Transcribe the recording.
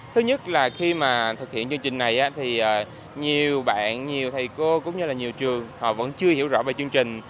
thứ nhất là khi mà thực hiện chương trình này thì nhiều bạn nhiều thầy cô cũng như là nhiều trường họ vẫn chưa hiểu rõ về chương trình